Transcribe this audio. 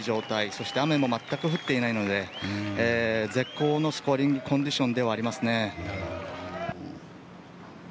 そして雨も全く降っていないので絶好のスコアリングコンディションではありますね。